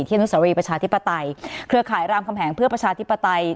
เที่ยวนุษยาวิประชาธิปเตยเครือข่ายรามคำแหงเพื่อประชาธิปเตย